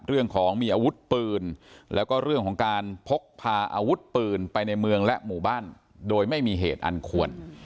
เรื่องของมีอาวุธปืนแล้วก็เรื่องของการพกพาอาวุธปืนไปในเมืองและหมู่บ้านโดยไม่มีเหตุอันควร